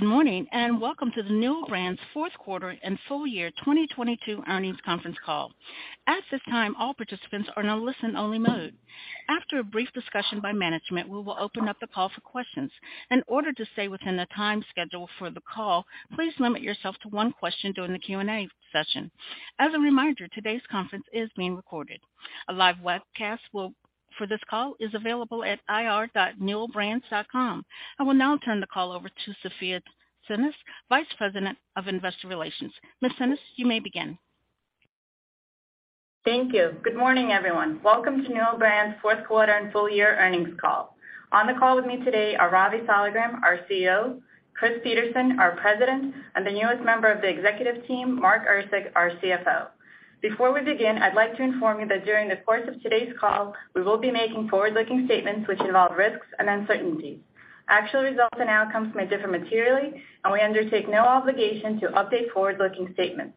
Good morning, and welcome to the Newell Brands Fourth Quarter and Full Year 2022 Earnings Conference Call. At this time, all participants are in a listen-only mode. After a brief discussion by management, we will open up the call for questions. In order to stay within the time schedule for the call, please limit yourself to one question during the Q&A session. As a reminder, today's conference is being recorded. A live webcast for this call is available at ir.newellbrands.com. I will now turn the call over to Sofya Tsinis, Vice President of Investor Relations. Ms. Tsinis, you may begin. Thank you. Good morning, everyone. Welcome to Newell Brands Fourth Quarter and Full Year Earnings Call. On the call with me today are Ravi Saligram, our CEO, Chris Peterson, our President, and the newest member of the executive team, Mark Erceg, our CFO. Before we begin, I'd like to inform you that during the course of today's call, we will be making forward-looking statements which involve risks and uncertainties. Actual results and outcomes may differ materially. We undertake no obligation to update forward-looking statements.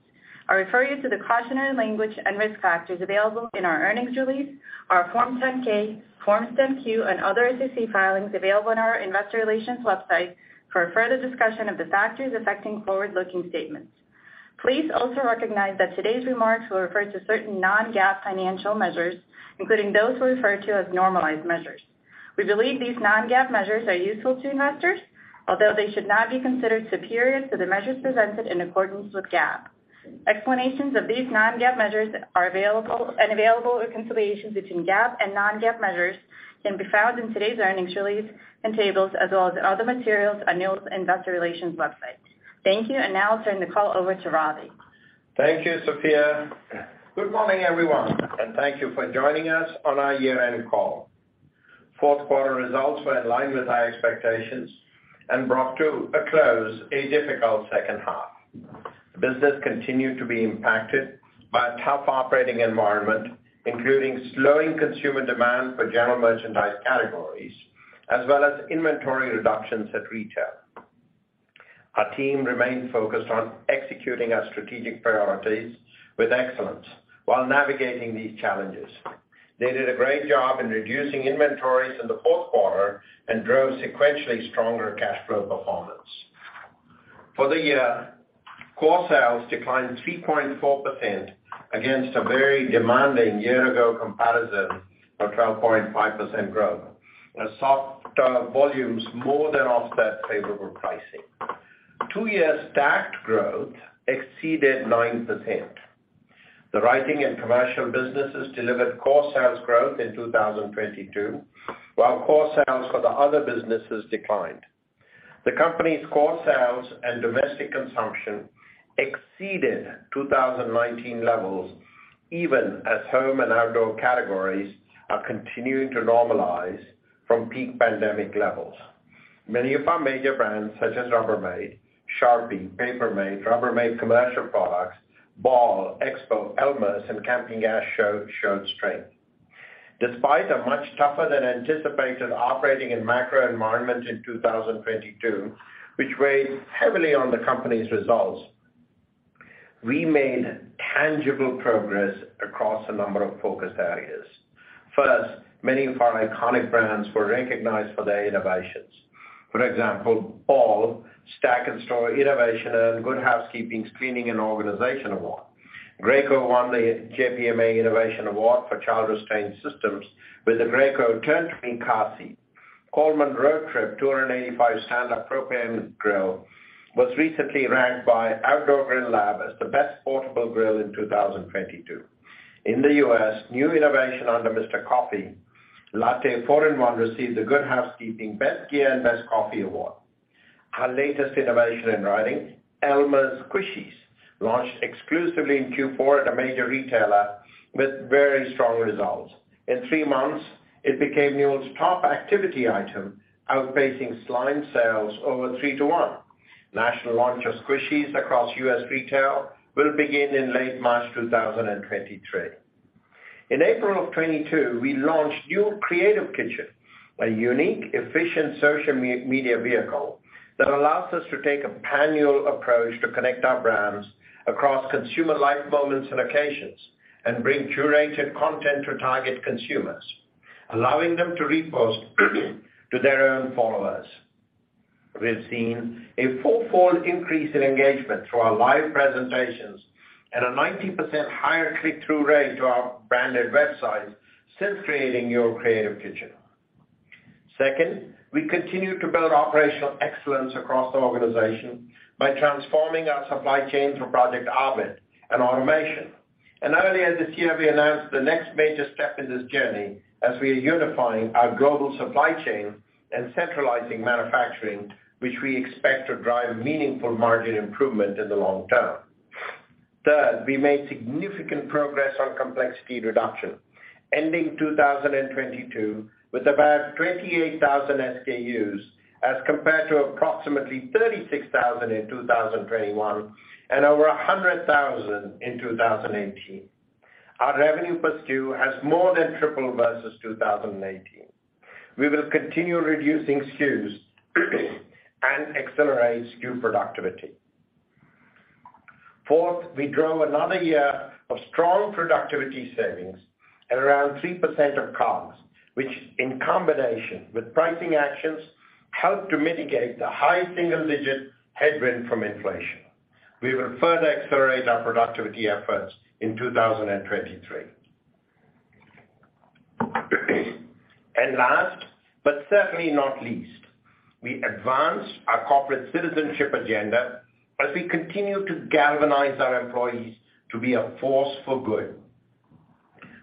I refer you to the cautionary language and risk factors available in our earnings release, our Form 10-K, Form 10-Q, and other SEC filings available on our investor relations website for a further discussion of the factors affecting forward-looking statements. Please also recognize that today's remarks will refer to certain non-GAAP financial measures, including those we refer to as normalized measures. We believe these non-GAAP measures are useful to investors, although they should not be considered superior to the measures presented in accordance with GAAP. Explanations of these non-GAAP measures are available, and available reconciliations between GAAP and non-GAAP measures can be found in today's earnings release and tables, as well as in other materials on Newell's Investor Relations website. Thank you. Now I'll turn the call over to Ravi. Thank you, Sofya. Good morning, everyone, and thank you for joining us on our year-end call. Fourth quarter results were in line with our expectations and brought to a close a difficult second half. The business continued to be impacted by a tough operating environment, including slowing consumer demand for general merchandise categories, as well as inventory reductions at retail. Our team remained focused on executing our strategic priorities with excellence while navigating these challenges. They did a great job in reducing inventories in the fourth quarter and drove sequentially stronger cash flow performance. For the year, core sales declined 3.4% against a very demanding year ago comparison of 12.5% growth. The soft volumes more than offset favorable pricing. Two-year stacked growth exceeded 9%. The writing and commercial businesses delivered core sales growth in 2022, while core sales for the other businesses declined. The company's core sales and domestic consumption exceeded 2019 levels, even as home and outdoor categories are continuing to normalize from peak pandemic levels. Many of our major brands, such as Rubbermaid, Sharpie, Paper Mate, Rubbermaid Commercial Products, Ball, EXPO, Elmer's, and Campingaz showed strength. Despite a much tougher than anticipated operating and macro environment in 2022, which weighed heavily on the company's results, we made tangible progress across a number of focus areas. First, many of our iconic brands were recognized for their innovations. For example, Ball Stack & Store innovation earned Good Housekeeping's Cleaning & Organizing Award. Graco won the JPMA Innovation Award for child restraint systems with the Graco Turn2Me car seat. Coleman RoadTrip 285 Stand-Up Propane Grill was recently ranked by Outdoor Gear Lab as the best portable grill in 2022. In the U.S., new innovation under Mr. Coffee, Latte 4-in-1 received the Good Housekeeping Best Gear and Best Coffee award. Our latest innovation in writing, Elmer's Squishies, launched exclusively in Q4 at a major retailer with very strong results. In three months, it became Newell's top activity item, outpacing slime sales over 3 to 1. National launch of Squishies across U.S. retail will begin in late March 2023. In April of 2022, we launched Newell Creative Kitchen, a unique, efficient social media vehicle that allows us to take a panoramic approach to connect our brands across consumer life moments and occasions and bring curated content to target consumers, allowing them to repost to their own followers. We've seen a four-fold increase in engagement through our live presentations and a 90% higher click-through rate to our branded websites since creating Newell Creative Kitchen. Second, we continue to build operational excellence across the organization by transforming our supply chain for Project Orbit and automation. Earlier this year, we announced the next major step in this journey as we are unifying our global supply chain and centralizing manufacturing, which we expect to drive meaningful margin improvement in the long term. Third, we made significant progress on complexity reduction, ending 2022 with about 28,000 SKUs as compared to approximately 36,000 in 2021 and over 100,000 in 2018. Our revenue per SKU has more than tripled versus 2018. We will continue reducing SKUs and accelerate SKU productivity. Fourth, we drove another year of strong productivity savings at around 3% of costs, which in combination with pricing actions, helped to mitigate the high single-digit headwind from inflation. We will further accelerate our productivity efforts in 2023. Last, but certainly not least, we advanced our corporate citizenship agenda as we continue to galvanize our employees to be a force for good.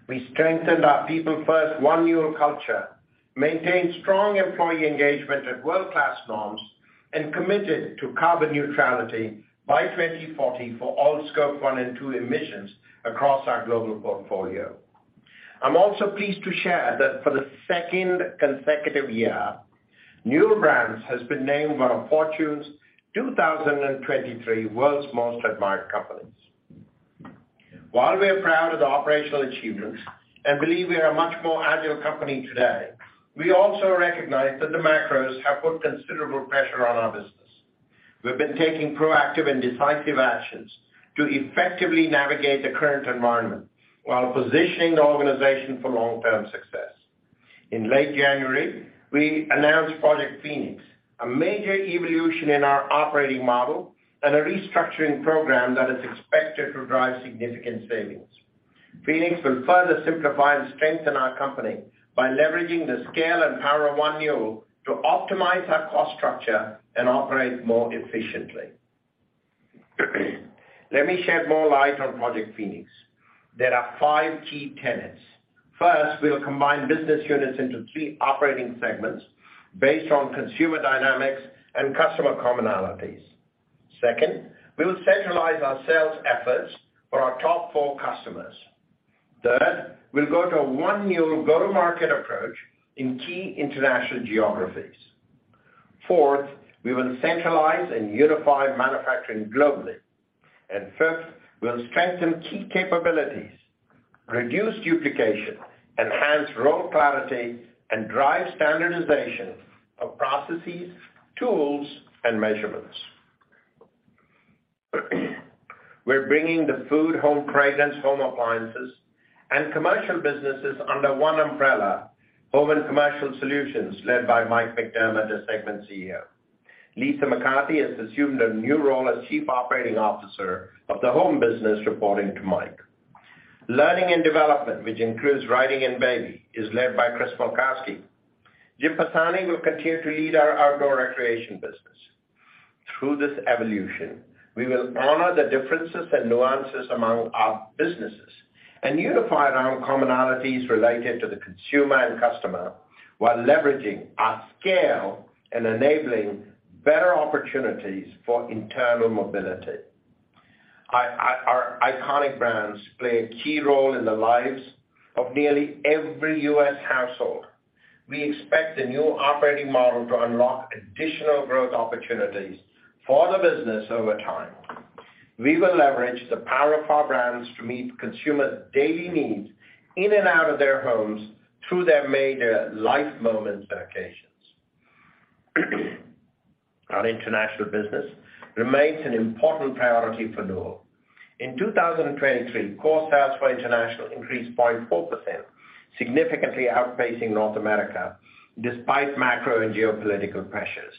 We strengthened our people-first One Newell culture, maintained strong employee engagement at world-class norms, and committed to carbon neutrality by 2040 for all Scope 1 and 2 emissions across our global portfolio. I'm also pleased to share that for the second consecutive year, Newell Brands has been named one of Fortune's 2023 World's Most Admired Companies. While we are proud of the operational achievements and believe we are a much more agile company today, we also recognize that the macros have put considerable pressure on our business. We've been taking proactive and decisive actions to effectively navigate the current environment while positioning the organization for long-term success. In late January, we announced Project Phoenix, a major evolution in our operating model and a restructuring program that is expected to drive significant savings. Phoenix will further simplify and strengthen our company by leveraging the scale and power of One Newell to optimize our cost structure and operate more efficiently. Let me shed more light on Project Phoenix. There are five key tenets. First, we'll combine business units into three operating segments based on consumer dynamics and customer commonalities. Second, we will centralize our sales efforts for our top four customers. Third, we'll go to a One Newell go-to-market approach in key international geographies. Fourth, we will centralize and unify manufacturing globally. Fifth, we'll strengthen key capabilities, reduce duplication, enhance role clarity, and drive standardization of processes, tools, and measurements. We're bringing the food, home, pregnancy, home appliances, and commercial businesses under one umbrella, Home and Commercial Solutions, led by Mike McDermott, the Segment CEO. Lisa McCarthy has assumed a new role as Chief Operating Officer of the home business reporting to Mike. Learning & Development, which includes Writing and Baby, is led by Kris Malkoski. Jim Pisani will continue to lead our Outdoor & Recreation business. Through this evolution, we will honor the differences and nuances among our businesses and unify around commonalities related to the consumer and customer while leveraging our scale and enabling better opportunities for internal mobility. Our iconic brands play a key role in the lives of nearly every U.S. household. We expect the new operating model to unlock additional growth opportunities for the business over time. We will leverage the power of our brands to meet consumers' daily needs in and out of their homes through their major life moments and occasions. Our international business remains an important priority for Newell. In 2023, core sales for international increased 0.4%, significantly outpacing North America, despite macro and geopolitical pressures.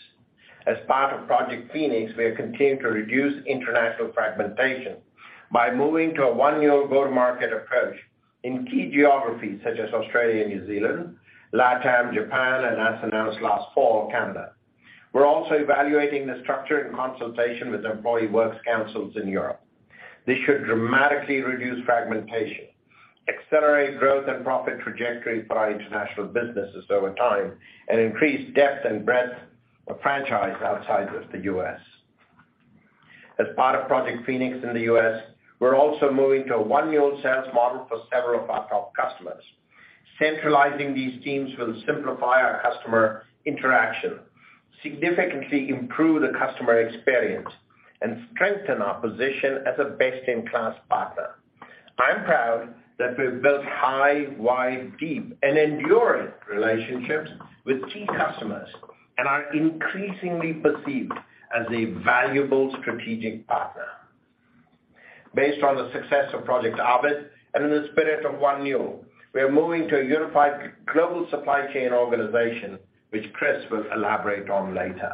As part of Project Phoenix, we are continuing to reduce international fragmentation by moving to a One Newell go-to-market approach in key geographies such as Australia and New Zealand, LATAM, Japan, and as announced last fall, Canada. We're also evaluating the structure in consultation with employee works councils in Europe. This should dramatically reduce fragmentation, accelerate growth and profit trajectory for our international businesses over time, and increase depth and breadth of franchise outside of the U.S. As part of Project Phoenix in the U.S., we're also moving to a One Newell sales model for several of our top customers. Centralizing these teams will simplify our customer interaction, significantly improve the customer experience, and strengthen our position as a best-in-class partner. I am proud that we've built high, wide, deep and enduring relationships with key customers and are increasingly perceived as a valuable strategic partner. Based on the success of Project Orbit and in the spirit of One Newell, we are moving to a unified global supply chain organization, which Chris will elaborate on later.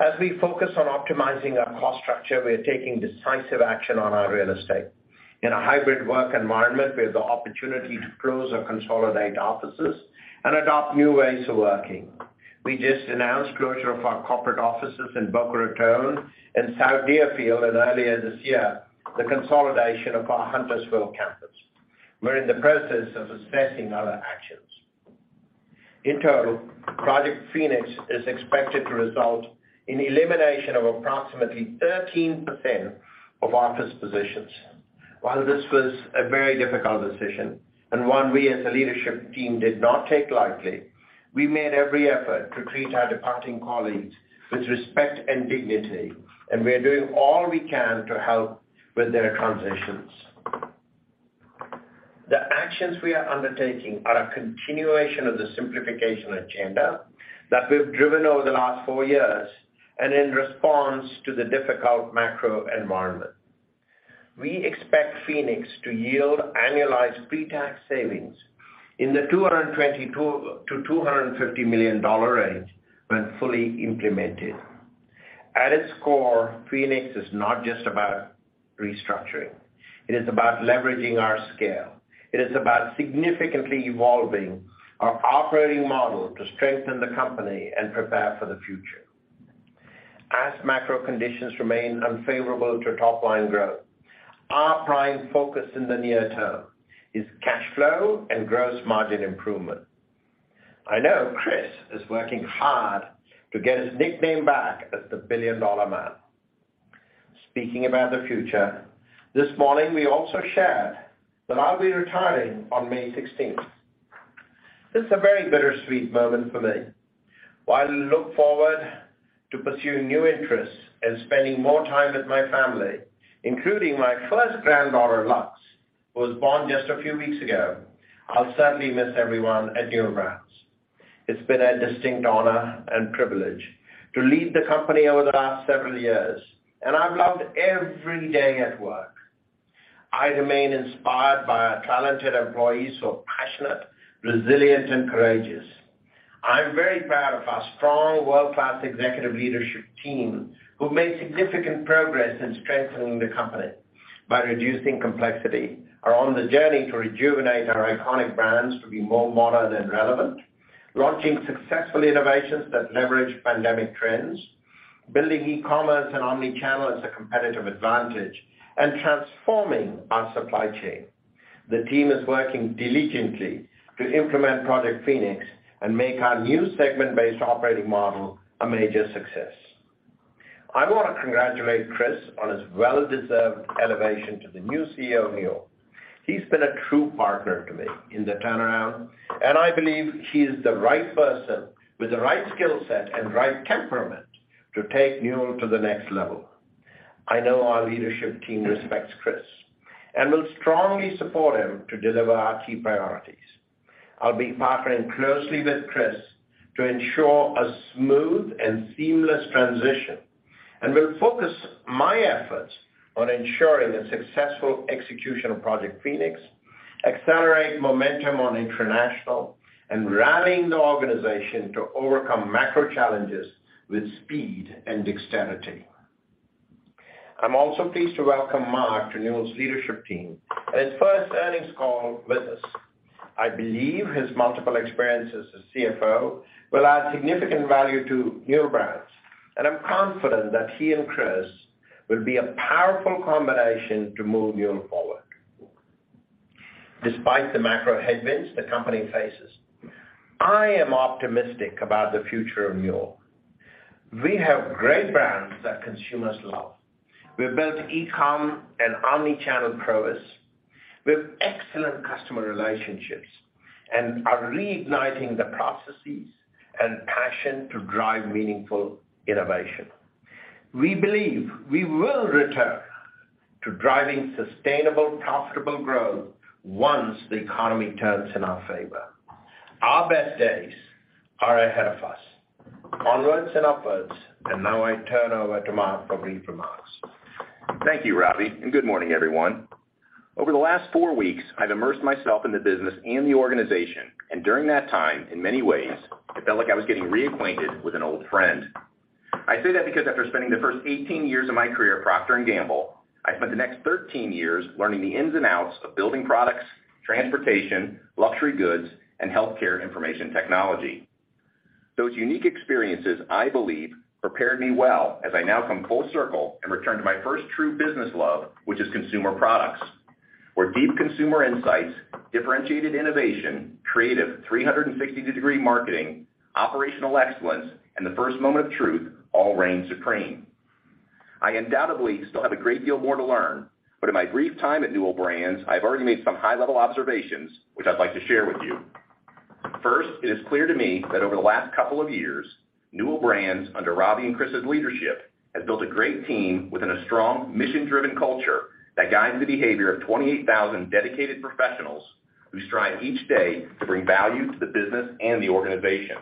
As we focus on optimizing our cost structure, we are taking decisive action on our real estate. In a hybrid work environment, we have the opportunity to close or consolidate offices and adopt new ways of working. We just announced closure of our corporate offices in Boca Raton and South Deerfield earlier this year, the consolidation of our Huntersville campus. We're in the process of assessing other actions. In total, Project Phoenix is expected to result in elimination of approximately 13% of office positions. While this was a very difficult decision and one we as a leadership team did not take lightly, we made every effort to treat our departing colleagues with respect and dignity, and we are doing all we can to help with their transitions. The actions we are undertaking are a continuation of the simplification agenda that we've driven over the last four years and in response to the difficult macro environment. We expect Phoenix to yield annualized pre-tax savings in the $222 million-$250 million range when fully implemented. At its core, Phoenix is not just about restructuring. It is about leveraging our scale. It is about significantly evolving our operating model to strengthen the company and prepare for the future. As macro conditions remain unfavorable to top-line growth, our prime focus in the near term is cash flow and gross margin improvement. I know Chris is working hard to get his nickname back as the billion-dollar man. Speaking about the future, this morning we also shared that I'll be retiring on May 16th. This is a very bittersweet moment for me. While I look forward to pursuing new interests and spending more time with my family, including my first granddaughter, Lux, who was born just a few weeks ago, I'll certainly miss everyone at Newell Brands. It's been a distinct honor and privilege to lead the company over the last several years, and I've loved every day at work. I remain inspired by our talented employees, so passionate, resilient, and courageous. I'm very proud of our strong world-class executive leadership team, who've made significant progress in strengthening the company by reducing complexity, are on the journey to rejuvenate our iconic brands to be more modern and relevant, launching successful innovations that leverage pandemic trends, building e-commerce and omni-channel as a competitive advantage, and transforming our supply chain. The team is working diligently to implement Project Phoenix and make our new segment-based operating model a major success. I want to congratulate Chris on his well-deserved elevation to the new CEO of Newell. I believe he is the right person with the right skill set and right temperament to take Newell to the next level. I know our leadership team respects Chris and will strongly support him to deliver our key priorities. I'll be partnering closely with Chris to ensure a smooth and seamless transition and will focus my efforts on ensuring the successful execution of Project Phoenix, accelerate momentum on international, and rallying the organization to overcome macro challenges with speed and dexterity. I'm also pleased to welcome Mark to Newell's leadership team and his first earnings call with us. I believe his multiple experiences as CFO will add significant value to Newell Brands, and I'm confident that he and Chris will be a powerful combination to move Newell forward. Despite the macro headwinds the company faces, I am optimistic about the future of Newell. We have great brands that consumers love. We have built e-com and omni-channel prowess. We have excellent customer relationships and are reigniting the processes and passion to drive meaningful innovation. We believe we will return to driving sustainable, profitable growth once the economy turns in our favor. Our best days are ahead of us. Onwards and upwards, now I turn over to Mark for brief remarks. Thank you, Ravi. Good morning, everyone. Over the last four weeks, I've immersed myself in the business and the organization. During that time, in many ways, it felt like I was getting reacquainted with an old friend. I say that because after spending the first 18 years of my career at Procter & Gamble, I spent the next 13 years learning the ins and outs of building products, transportation, luxury goods, and healthcare information technology. Those unique experiences, I believe, prepared me well as I now come full circle and return to my first true business love, which is consumer products, where deep consumer insights, differentiated innovation, creative 360-degree marketing, operational excellence, and the First Moment of Truth all reign supreme. I undoubtedly still have a great deal more to learn. In my brief time at Newell Brands, I've already made some high-level observations, which I'd like to share with you. First, it is clear to me that over the last couple of years, Newell Brands, under Ravi and Chris's leadership, has built a great team within a strong mission-driven culture that guides the behavior of 28,000 dedicated professionals who strive each day to bring value to the business and the organization.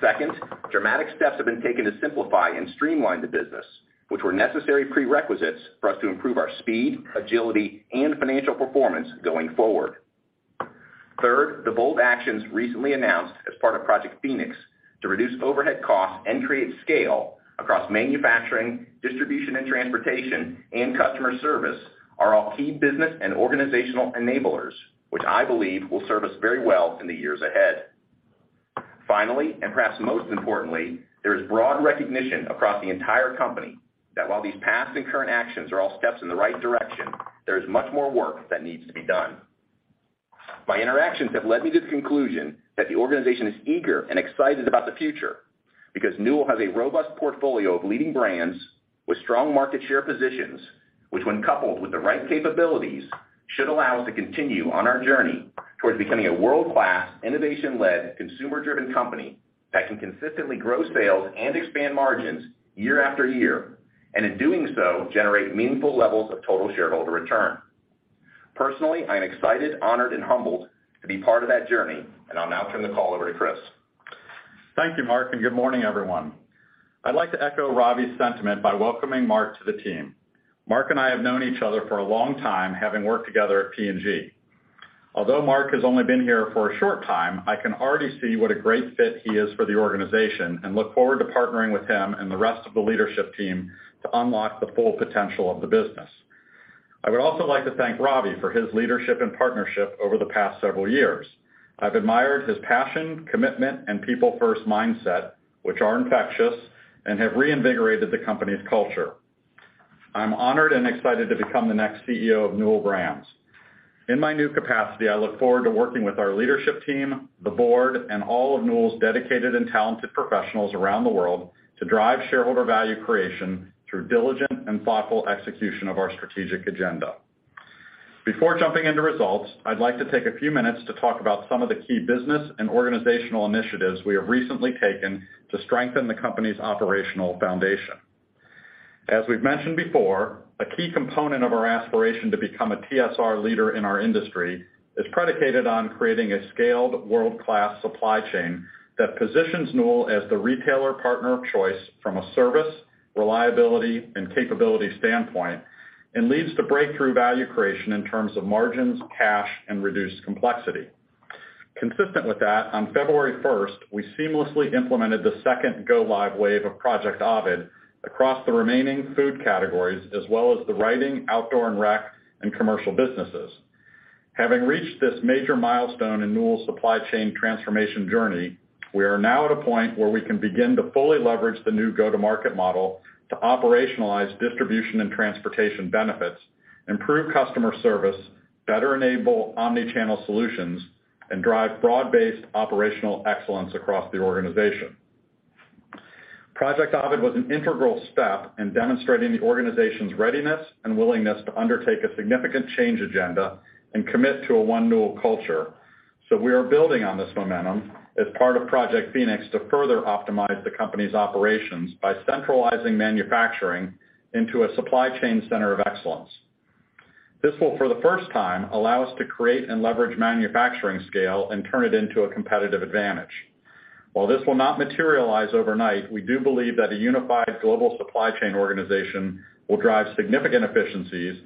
Second, dramatic steps have been taken to simplify and streamline the business, which were necessary prerequisites for us to improve our speed, agility, and financial performance going forward. Third, the bold actions recently announced as part of Project Phoenix to reduce overhead costs and create scale across manufacturing, distribution and transportation, and customer service are all key business and organizational enablers, which I believe will serve us very well in the years ahead. Finally, and perhaps most importantly, there is broad recognition across the entire company that while these past and current actions are all steps in the right direction, there is much more work that needs to be done. My interactions have led me to the conclusion that the organization is eager and excited about the future because Newell has a robust portfolio of leading brands with strong market share positions, which when coupled with the right capabilities, should allow us to continue on our journey-Towards becoming a world-class, innovation-led, consumer-driven company that can consistently grow sales and expand margins year after year, and in doing so, generate meaningful levels of total shareholder return. Personally, I'm excited, honored, and humbled to be part of that journey, and I'll now turn the call over to Chris. Thank you, Mark, and good morning, everyone. I'd like to echo Ravi's sentiment by welcoming Mark to the team. Mark and I have known each other for a long time, having worked together at P&G. Although Mark has only been here for a short time, I can already see what a great fit he is for the organization and look forward to partnering with him and the rest of the leadership team to unlock the full potential of the business. I would also like to thank Ravi for his leadership and partnership over the past several years. I've admired his passion, commitment, and people-first mindset, which are infectious and have reinvigorated the company's culture. I'm honored and excited to become the next CEO of Newell Brands. In my new capacity, I look forward to working with our leadership team, the board, and all of Newell's dedicated and talented professionals around the world to drive shareholder value creation through diligent and thoughtful execution of our strategic agenda. Before jumping into results, I'd like to take a few minutes to talk about some of the key business and organizational initiatives we have recently taken to strengthen the company's operational foundation. As we've mentioned before, a key component of our aspiration to become a TSR leader in our industry is predicated on creating a scaled world-class supply chain that positions Newell as the retailer partner of choice from a service, reliability, and capability standpoint, and leads to breakthrough value creation in terms of margins, cash, and reduced complexity. Consistent with that, on February 1st, we seamlessly implemented the second go live wave of Project Ovid across the remaining food categories as well as the writing, Outdoor & Recreation, and commercial businesses. Having reached this major milestone in Newell's supply chain transformation journey, we are now at a point where we can begin to fully leverage the new go-to-market model to operationalize distribution and transportation benefits, improve customer service, better enable omni-channel solutions, and drive broad-based operational excellence across the organization. Project Ovid was an integral step in demonstrating the organization's readiness and willingness to undertake a significant change agenda and commit to a One Newell culture. We are building on this momentum as part of Project Phoenix to further optimize the company's operations by centralizing manufacturing into a supply chain center of excellence. This will, for the first time, allow us to create and leverage manufacturing scale and turn it into a competitive advantage. While this will not materialize overnight, we do believe that a unified global supply chain organization will drive significant efficiencies,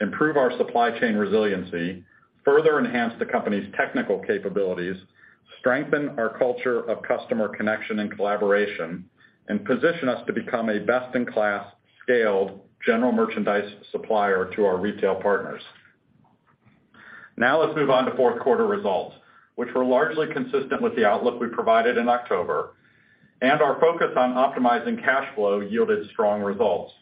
improve our supply chain resiliency, further enhance the company's technical capabilities, strengthen our culture of customer connection and collaboration, and position us to become a best-in-class scaled general merchandise supplier to our retail partners. Let's move on to fourth quarter results, which were largely consistent with the outlook we provided in October, and our focus on optimizing cash flow yielded strong results.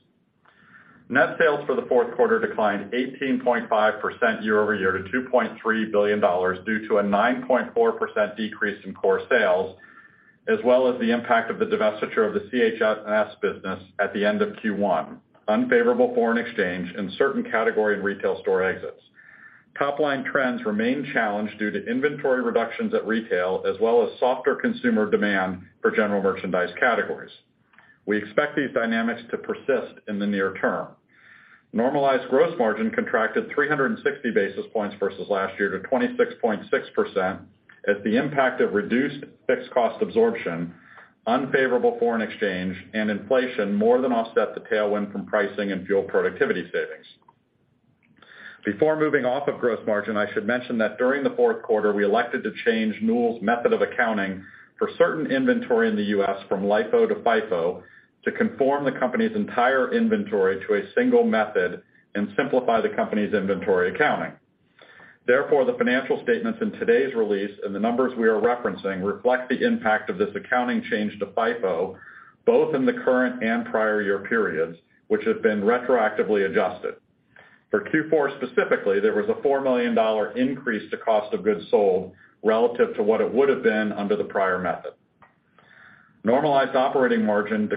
Net sales for the fourth quarter declined 18.5% year-over-year to $2.3 billion due to a 9.4% decrease in core sales, as well as the impact of the divestiture of the CH&S business at the end of Q1, unfavorable foreign exchange, and certain category and retail store exits. Top-line trends remain challenged due to inventory reductions at retail, as well as softer consumer demand for general merchandise categories. We expect these dynamics to persist in the near term. Normalized gross margin contracted 360 basis points versus last year to 26.6% as the impact of reduced fixed cost absorption, unfavorable foreign exchange, and inflation more than offset the tailwind from pricing and fuel productivity savings. Before moving off of gross margin, I should mention that during the fourth quarter, we elected to change Newell's method of accounting for certain inventory in the U.S. from LIFO to FIFO to conform the company's entire inventory to a single method and simplify the company's inventory accounting. The financial statements in today's release and the numbers we are referencing reflect the impact of this accounting change to FIFO, both in the current and prior year periods, which have been retroactively adjusted. For Q4 specifically, there was a $4 million increase to cost of goods sold relative to what it would have been under the prior method. Normalized operating margin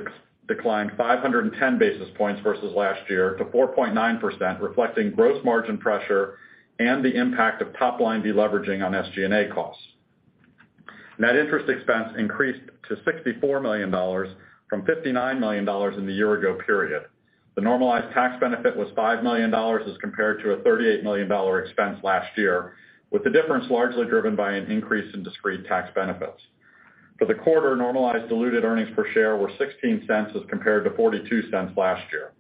declined 510 basis points versus last year to 4.9%, reflecting gross margin pressure and the impact of top-line deleveraging on SG&A costs. Net interest expense increased to $64 million from $59 million in the year ago period. The normalized tax benefit was $5 million as compared to a $38 million expense last year, with the difference largely driven by an increase in discrete tax benefits. For the quarter, normalized diluted earnings per share were $0.16 as compared to $0.42 last year.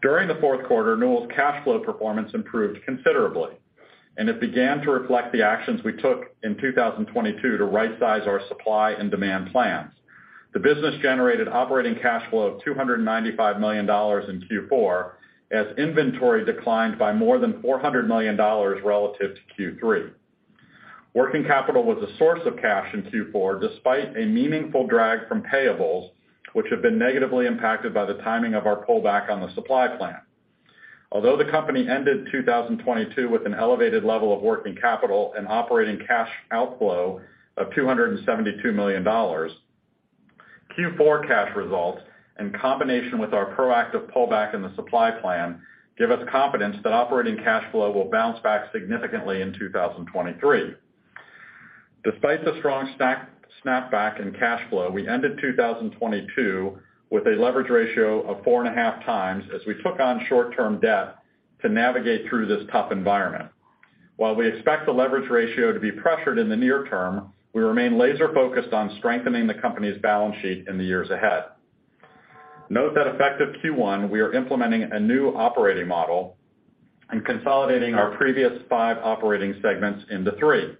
During the fourth quarter, Newell's cash flow performance improved considerably, and it began to reflect the actions we took in 2022 to rightsize our supply and demand plans. The business generated operating cash flow of $295 million in Q4 as inventory declined by more than $400 million relative to Q3. Working capital was a source of cash in Q4, despite a meaningful drag from payables, which have been negatively impacted by the timing of our pullback on the supply plan. The company ended 2022 with an elevated level of working capital and operating cash outflow of $272 million. Q4 cash results in combination with our proactive pullback in the supply plan give us confidence that operating cash flow will bounce back significantly in 2023. Despite the strong snapback in cash flow, we ended 2022 with a leverage ratio of 4.5x as we took on short-term debt to navigate through this tough environment. While we expect the leverage ratio to be pressured in the near term, we remain laser-focused on strengthening the company's balance sheet in the years ahead. Note that effective Q1, we are implementing a new operating model and consolidating our previous five operating segments into three.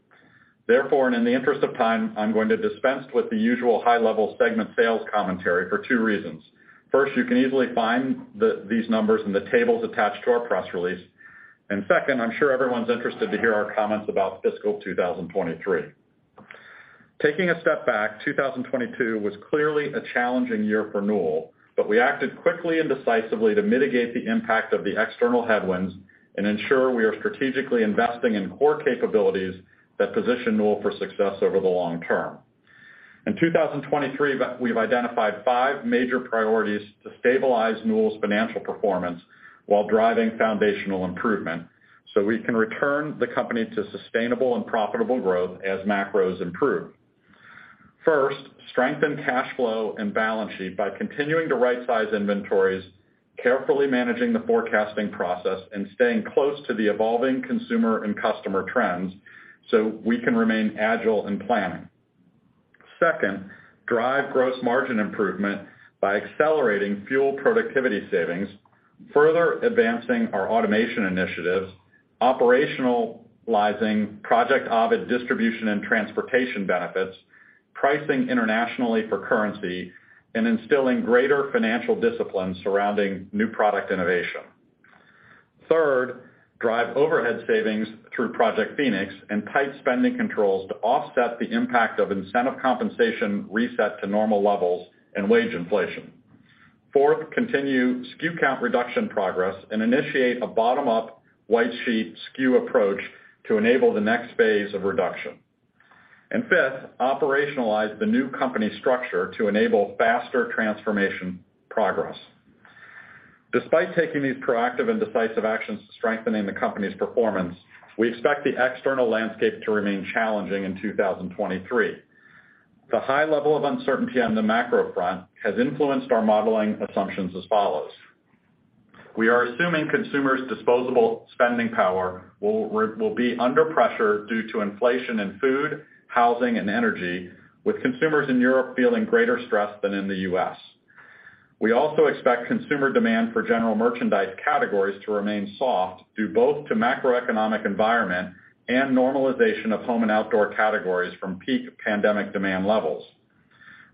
Therefore, in the interest of time, I'm going to dispense with the usual high-level segment sales commentary for two reasons. First, you can easily find these numbers in the tables attached to our press release. Second, I'm sure everyone's interested to hear our comments about fiscal 2023. Taking a step back, 2022 was clearly a challenging year for Newell, we acted quickly and decisively to mitigate the impact of the external headwinds and ensure we are strategically investing in core capabilities that position Newell for success over the long term. In 2023, we've identified five major priorities to stabilize Newell's financial performance while driving foundational improvement, we can return the company to sustainable and profitable growth as macros improve. First, strengthen cash flow and balance sheet by continuing to right-size inventories, carefully managing the forecasting process, and staying close to the evolving consumer and customer trends so we can remain agile in planning. Second, drive gross margin improvement by accelerating Project Fuel productivity savings, further advancing our automation initiatives, operationalizing Project Ovid distribution and transportation benefits, pricing internationally for currency, and instilling greater financial discipline surrounding new product innovation. Third, drive overhead savings through Project Phoenix and tight spending controls to offset the impact of incentive compensation reset to normal levels and wage inflation. Fourth, continue SKU count reduction progress and initiate a bottom-up white sheet SKU approach to enable the next phase of reduction. Fifth, operationalize the new company structure to enable faster transformation progress. Despite taking these proactive and decisive actions to strengthening the company's performance, we expect the external landscape to remain challenging in 2023. The high level of uncertainty on the macro front has influenced our modeling assumptions as follows: We are assuming consumers' disposable spending power will be under pressure due to inflation in food, housing, and energy, with consumers in Europe feeling greater stress than in the U.S. We also expect consumer demand for general merchandise categories to remain soft due both to macroeconomic environment and normalization of home and outdoor categories from peak pandemic demand levels.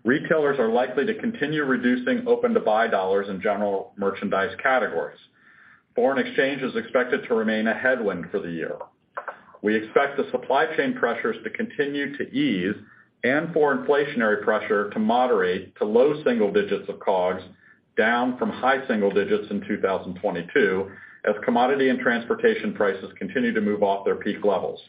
Retailers are likely to continue reducing open-to-buy dollars in general merchandise categories. Foreign exchange is expected to remain a headwind for the year. We expect the supply chain pressures to continue to ease and for inflationary pressure to moderate to low single digits of COGS down from high single digits in 2022 as commodity and transportation prices continue to move off their peak levels.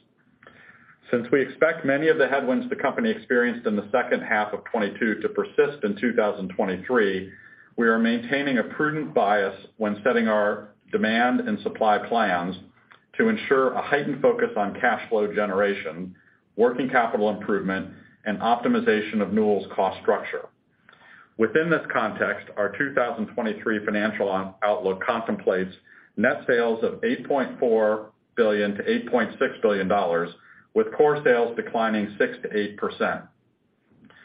We expect many of the headwinds the company experienced in the second half of 2022 to persist in 2023, we are maintaining a prudent bias when setting our demand and supply plans to ensure a heightened focus on cash flow generation, working capital improvement, and optimization of Newell's cost structure. Within this context, our 2023 financial on-outlook contemplates net sales of $8.4 billion-$8.6 billion, with core sales declining 6%-8%.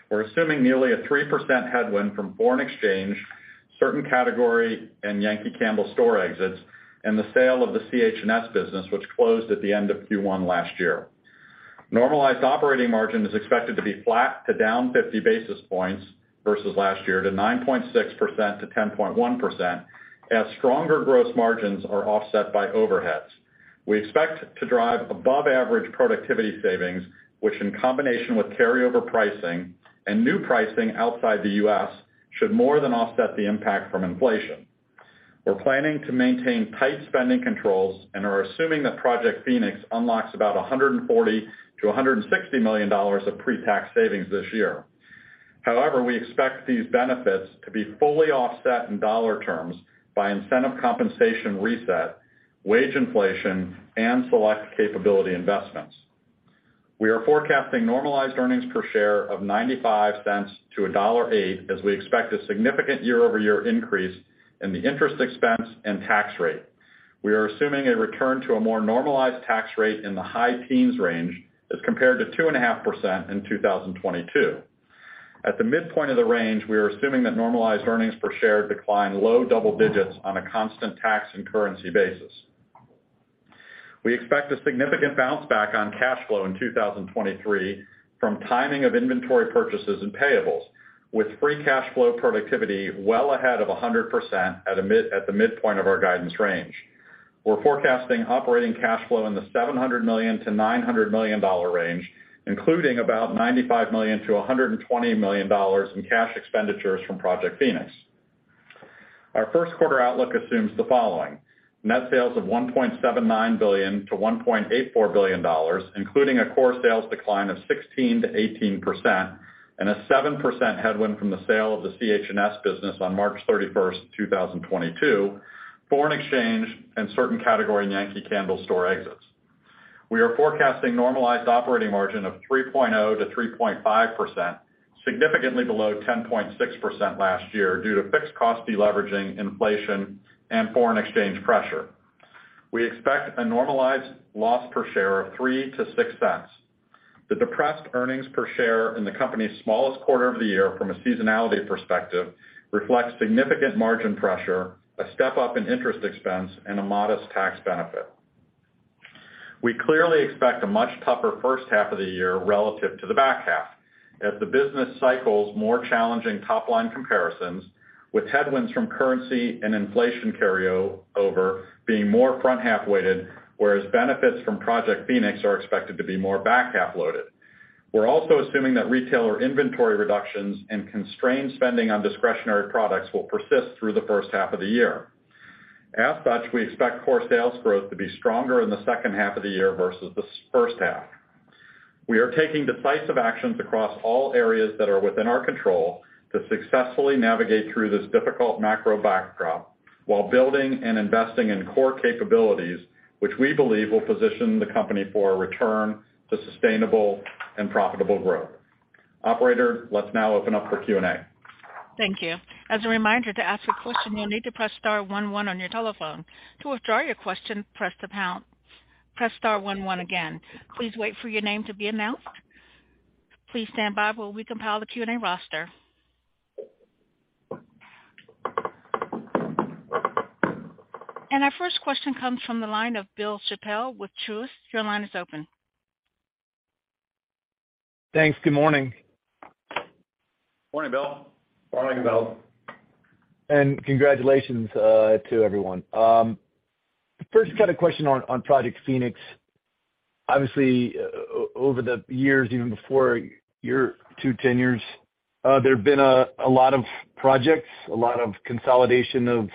We're assuming nearly a 3% headwind from foreign exchange, certain category and Yankee Candle store exits, and the sale of the CH&S business, which closed at the end of Q1 last year. Normalized operating margin is expected to be flat to down 50 basis points versus last year to 9.6%-10.1% as stronger gross margins are offset by overheads. We expect to drive above-average productivity savings, which in combination with carryover pricing and new pricing outside the U.S., should more than offset the impact from inflation. We're planning to maintain tight spending controls and are assuming that Project Phoenix unlocks about $140 million-$160 million of pre-tax savings this year. We expect these benefits to be fully offset in dollar terms by incentive compensation reset, wage inflation, and select capability investments. We are forecasting normalized earnings per share of $0.95-$1.08 as we expect a significant year-over-year increase in the interest expense and tax rate. We are assuming a return to a more normalized tax rate in the high teens range as compared to 2.5% in 2022. At the midpoint of the range, we are assuming that normalized earnings per share decline low double digits on a constant tax and currency basis. We expect a significant bounce back on cash flow in 2023 from timing of inventory purchases and payables, with free cash flow productivity well ahead of 100% at the midpoint of our guidance range. We're forecasting operating cash flow in the $700 million-$900 million range, including about $95 million-$120 million in cash expenditures from Project Phoenix. Our first quarter outlook assumes the following: net sales of $1.79 billion-$1.84 billion, including a core sales decline of 16%-18% and a 7% headwind from the sale of the CH&S business on March 31st, 2022, foreign exchange and certain category Yankee Candle store exits. We are forecasting normalized operating margin of 3.0%-3.5%, significantly below 10.6% last year due to fixed cost deleveraging, inflation, and foreign exchange pressure. We expect a normalized loss per share of $0.03-$0.06. The depressed earnings per share in the company's smallest quarter of the year from a seasonality perspective reflects significant margin pressure, a step-up in interest expense, and a modest tax benefit. We clearly expect a much tougher first half of the year relative to the back half as the business cycles more challenging top line comparisons with headwinds from currency and inflation carryover being more front-half weighted, whereas benefits from Project Phoenix are expected to be more back-half loaded. We're also assuming that retailer inventory reductions and constrained spending on discretionary products will persist through the first half of the year. As such, we expect core sales growth to be stronger in the second half of the year versus the first half. We are taking decisive actions across all areas that are within our control to successfully navigate through this difficult macro backdrop while building and investing in core capabilities, which we believe will position the company for a return to sustainable and profitable growth. Operator, let's now open up for Q&A. Thank you. As a reminder, to ask a question, you'll need to press star one one on your telephone. To withdraw your question, press star one one again. Please wait for your name to be announced. Please stand by while we compile the Q&A roster. Our first question comes from the line of Bill Chappell with Truist. Your line is open. Thanks. Good morning. Morning, Bill. Morning, Bill. Congratulations to everyone. First got a question on Project Phoenix. Obviously, over the years, even before your two tenures, there have been a lot of projects, a lot of consolidation of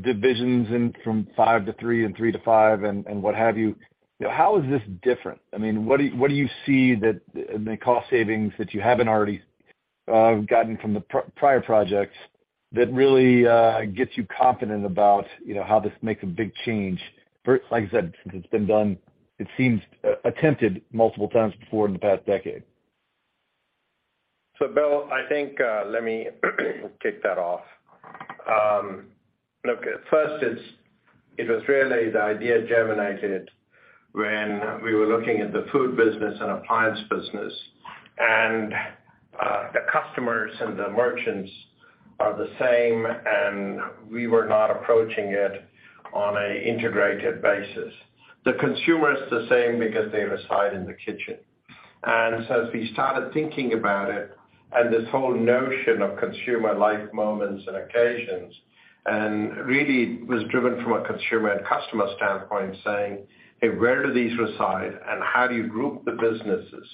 divisions from five to three and three to five and what have you. You know, how is this different? I mean, what do you see in the cost savings that you haven't already gotten from the prior projects that really gets you confident about, you know, how this makes a big change? Like I said, since it's been done, it seems attempted multiple times before in the past decade. Bill, I think, let me kick that off. Look, first it was really the idea germinated when we were looking at the food business and appliance business, and the customers and the merchants are the same, and we were not approaching it on a integrated basis. The consumer is the same because they reside in the kitchen. As we started thinking about it and this whole notion of consumer life moments and occasions, and really was driven from a consumer and customer standpoint, saying, "Hey, where do these reside, and how do you group the businesses?"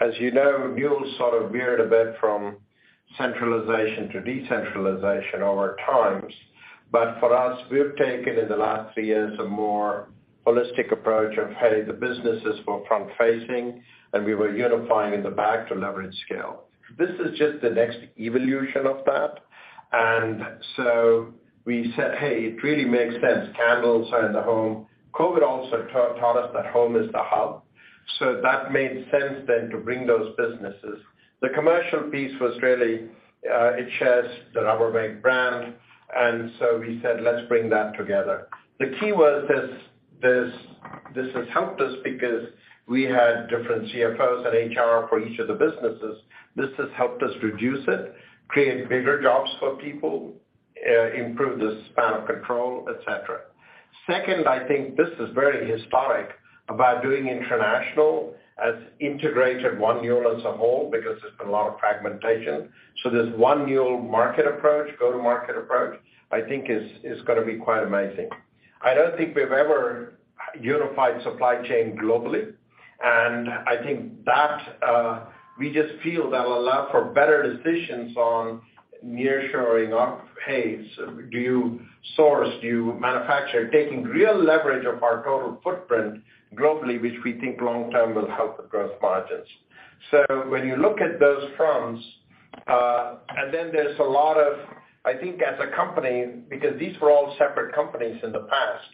As you know, Newell sort of veered a bit from centralization to decentralization over times. For us, we've taken in the last three years a more holistic approach of, hey, the businesses were front-facing, and we were unifying in the back to leverage scale. This is just the next evolution of that. We said, "Hey, it really makes sense. Candles are in the home." COVID also taught us that home is the hub. That made sense then to bring those businesses. The commercial piece was really, it shares the Rubbermaid brand, we said, "Let's bring that together." The key was this has helped us because we had different CFOs and HR for each of the businesses. This has helped us reduce it, create bigger jobs for people, improve the span of control, et cetera. Second, I think this is very historic about doing international as integrated One Newell as a whole because there's been a lot of fragmentation. This One Newell market approach, go-to-market approach, I think is gonna be quite amazing. I don't think we've ever unified supply chain globally, and I think that we just feel that will allow for better decisions on nearshoring of, hey, do you source, do you manufacture, taking real leverage of our total footprint globally, which we think long-term will help the growth margins. When you look at those fronts, then there's a lot of. I think as a company, because these were all separate companies in the past,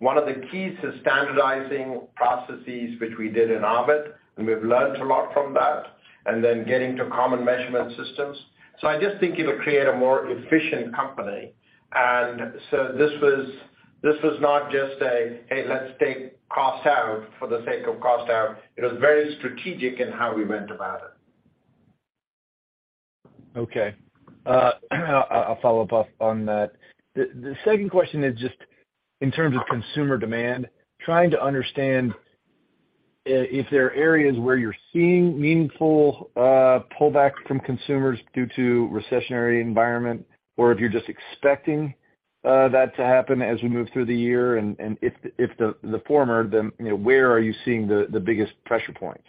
one of the keys is standardizing processes, which we did in OVID, and we've learnt a lot from that, and then getting to common measurement systems. I just think it'll create a more efficient company. This was, this was not just a, "Hey, let's take cost out for the sake of cost out." It was very strategic in how we went about it. Okay. I'll follow up on that. The second question is just in terms of consumer demand, trying to understand if there are areas where you're seeing meaningful pullbacks from consumers due to recessionary environment or if you're just expecting that to happen as we move through the year. If the former, then, you know, where are you seeing the biggest pressure points?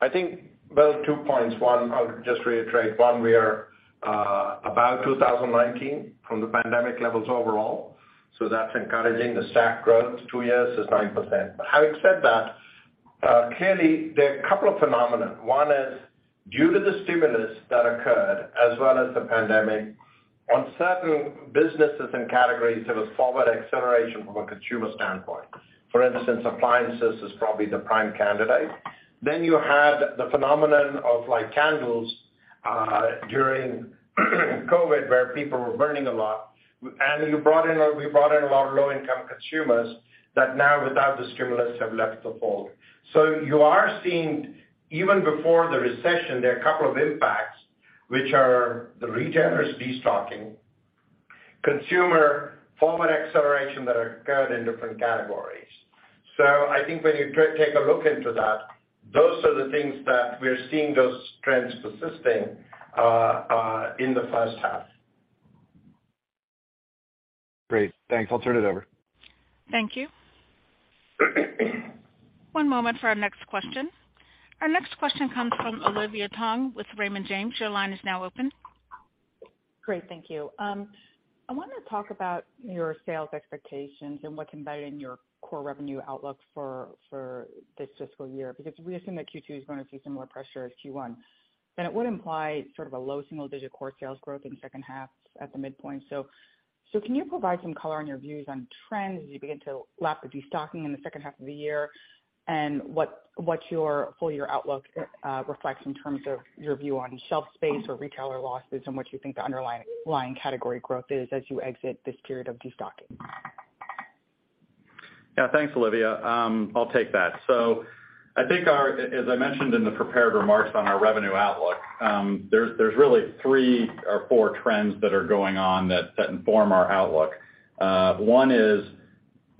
I think, Bill, two points. One, I'll just reiterate. One, we are above 2019 from the pandemic levels overall, so that's encouraging. The stack growth two years is 9%. Having said that, clearly there are a couple of phenomenon. One is due to the stimulus that occurred as well as the pandemic, on certain businesses and categories, there was forward acceleration from a consumer standpoint. For instance, appliances is probably the prime candidate. You had the phenomenon of, like, candles during COVID, where people were burning a lot. We brought in a lot of low-income consumers that now without the stimulus have left the fold. You are seeing even before the recession, there are a couple of impacts, which are the retailers destocking, consumer forward acceleration that occurred in different categories. I think when you take a look into that, those are the things that we're seeing those trends persisting in the first half. Great. Thanks. I'll turn it over. Thank you. One moment for our next question. Our next question comes from Olivia Tong with Raymond James. Your line is now open. Great. Thank you. I wanted to talk about your sales expectations and what's embedded in your core revenue outlook for this fiscal year, because we assume that Q2 is going to see similar pressure as Q1. It would imply sort of a low single-digit core sales growth in second half at the midpoint. Can you provide some color on your views on trends as you begin to lap the destocking in the second half of the year? What your full year outlook reflects in terms of your view on shelf space or retailer losses and what you think the underlying line category growth is as you exit this period of destocking? Thanks, Olivia. I'll take that. I think as I mentioned in the prepared remarks on our revenue outlook, there's really three or four trends that are going on that inform our outlook. One is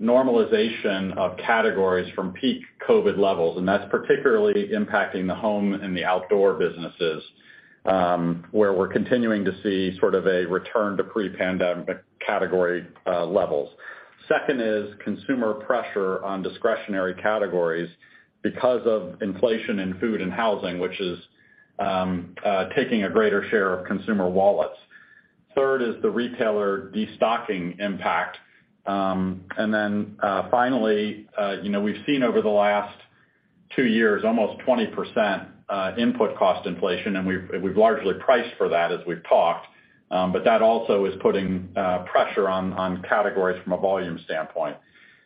normalization of categories from peak COVID levels, that's particularly impacting the home and the outdoor businesses, where we're continuing to see sort of a return to pre-pandemic category levels. Second is consumer pressure on discretionary categories because of inflation in food and housing, which is taking a greater share of consumer wallets. Third is the retailer destocking impact. Finally, you know, we've seen over the last two years almost 20% input cost inflation, and we've largely priced for that as we've talked, but that also is putting pressure on categories from a volume standpoint.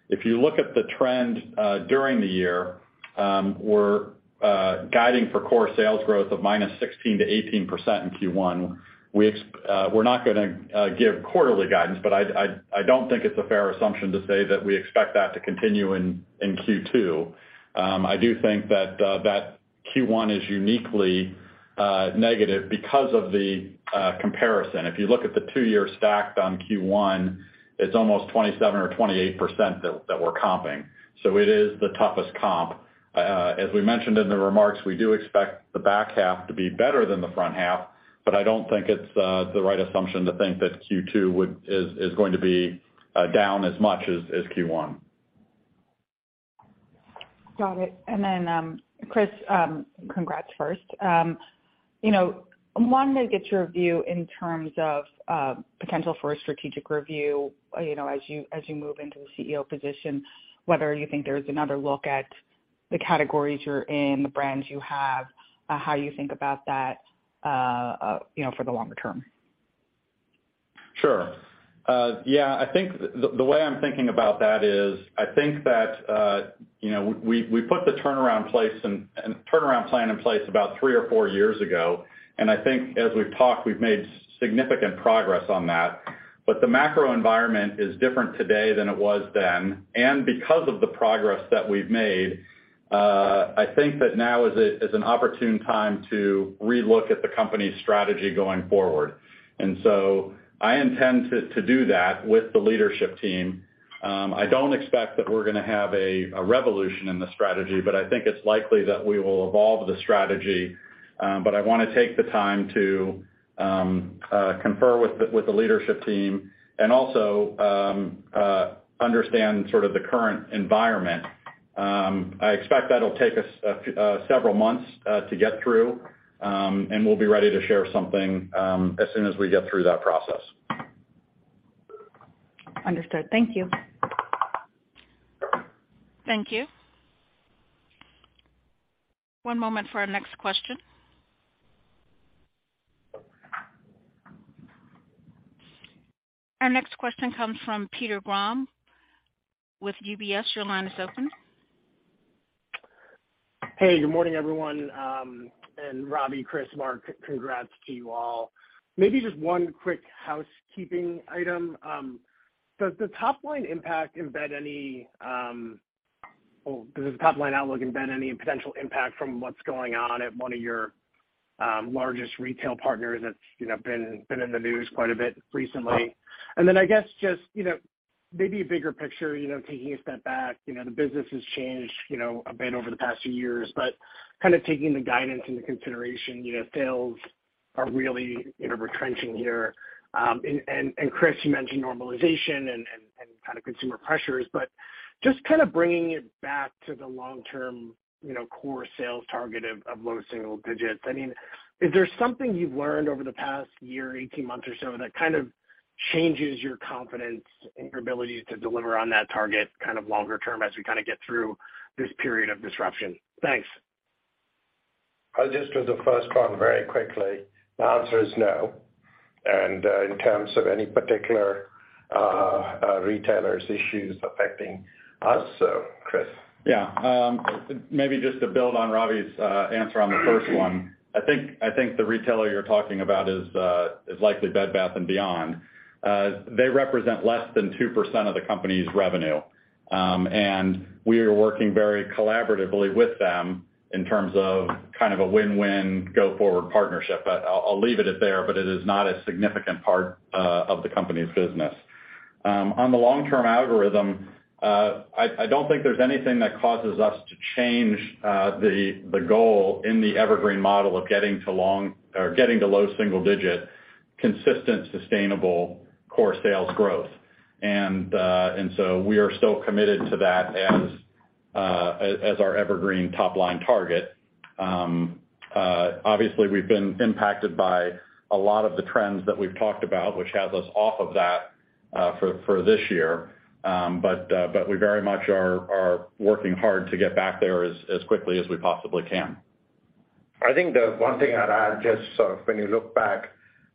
If you look at the trend during the year, we're guiding for core sales growth of -16% to -18% in Q1. We're not gonna give quarterly guidance, but I don't think it's a fair assumption to say that we expect that to continue in Q2. I do think that Q1 is uniquely negative because of the comparison. If you look at the two-year stacked on Q1, it's almost 27% or 28% that we're comping. It is the toughest comp. As we mentioned in the remarks, we do expect the back half to be better than the front half, but I don't think it's the right assumption to think that Q2 is going to be down as much as Q1. Got it. Then, Chris, congrats first. You know, I wanted to get your view in terms of potential for a strategic review, you know, as you move into the CEO position, whether you think there's another look at the categories you're in, the brands you have, how you think about that, you know, for the longer term? Sure. Yeah. I think the way I'm thinking about that is I think that, you know, we put the turnaround plan in place about three or four years ago, and I think as we've talked, we've made significant progress on that. The macro environment is different today than it was then. Because of the progress that we've made, I think that now is an opportune time to relook at the company's strategy going forward. I intend to do that with the leadership team. I don't expect that we're gonna have a revolution in the strategy, but I think it's likely that we will evolve the strategy. But I wanna take the time to confer with the leadership team and also understand sort of the current environment. I expect that'll take us several months to get through, and we'll be ready to share something as soon as we get through that process. Understood. Thank you. Thank you. One moment for our next question. Our next question comes from Peter Grom with UBS. Your line is open. Hey, good morning, everyone. Ravi, Chris, Mark, congrats to you all. Maybe just one quick housekeeping item. Well, does the top line outlook embed any potential impact from what's going on at one of your largest retail partners that's, you know, been in the news quite a bit recently? I guess just, you know, maybe a bigger picture, you know, taking a step back. You know, the business has changed, you know, a bit over the past few years, but kind of taking the guidance into consideration, you know, sales are really, you know, retrenching here. Chris, you mentioned normalization and. Kind of consumer pressures. Just kind of bringing it back to the long-term, you know, core sales target of low single digits. I mean, is there something you've learned over the past year, 18 months or so that kind of changes your confidence in your ability to deliver on that target kind of longer term as we kind of get through this period of disruption? Thanks. I'll just do the first one very quickly. The answer is no. In terms of any particular retailer's issues affecting us, Chris. Maybe just to build on Ravi's answer on the first one. I think the retailer you're talking about is likely Bed Bath & Beyond. They represent less than 2% of the company's revenue. We are working very collaboratively with them in terms of kind of a win-win go forward partnership. I'll leave it at there, but it is not a significant part of the company's business. On the long-term algorithm, I don't think there's anything that causes us to change the goal in the evergreen model of getting to low single digit, consistent, sustainable core sales growth. We are still committed to that as our evergreen top line target. Obviously, we've been impacted by a lot of the trends that we've talked about, which has us off of that, for this year. We very much are working hard to get back there as quickly as we possibly can. I think the one thing I'd add, just so when you look back,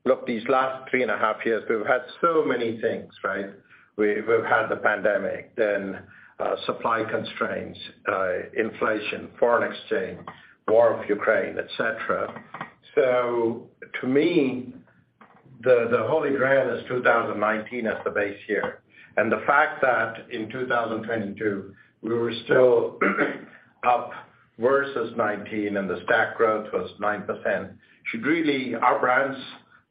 look, these last three and a half years, we've had so many things, right? We've had the pandemic, then supply constraints, inflation, foreign exchange, war with Ukraine, et cetera. To me, the holy grail is 2019 as the base year. The fact that in 2022, we were still up versus 2019 and the stack growth was 9% should really. Our brands